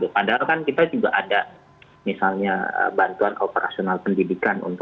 padahal kan kita juga ada misalnya bantuan operasional pendidikan